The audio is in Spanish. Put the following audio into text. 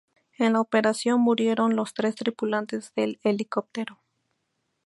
En la operación murieron los tres tripulantes del helicóptero.